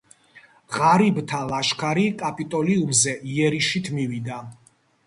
ღარიბთა ლაშქარი კაპიტოლიუმზე იერიშით მივიდა.